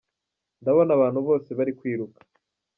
Ndabona abantu bose bari kwiruka.